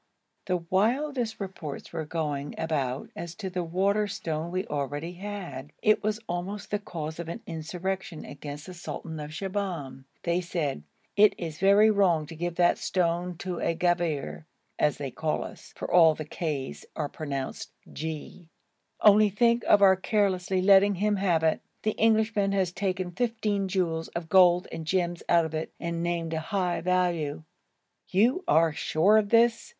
The wildest reports were going about as to the water stone we already had. It was almost the cause of an insurrection against the sultan of Shibahm. They said 'It was very wrong to give that stone to a "gavir"' as they call us (for all the k's are pronounced g) 'only think of our carelessly letting him have it. The Englishman has taken fifteen jewels of gold and gems out of it,' and named a high value. 'You are sure of this?'